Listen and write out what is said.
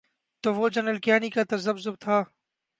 تو وہ جنرل کیانی کا تذبذب تھا۔